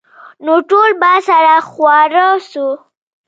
نو ټول به سره خواره سو.